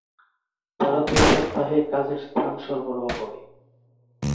তারা দুই সপ্তাহে কাজের স্থান সরবরাহ করে।